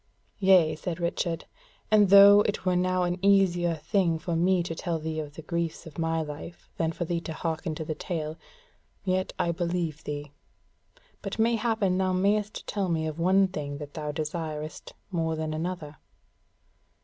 "Yea," said Richard, "and though it were now an easier thing for me to tell thee of the griefs of my life than for thee to hearken to the tale, yet I believe thee. But mayhappen thou mayst tell me of one thing that thou desirest more than another."